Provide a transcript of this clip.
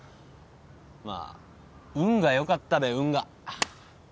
まあ運が良かったべ運が。